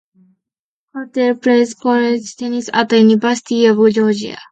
Hertel plays college tennis at the University of Georgia.